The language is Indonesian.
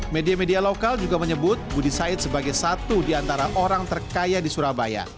media media lokal juga menyebut budi said sebagai satu di antara orang terkaya di surabaya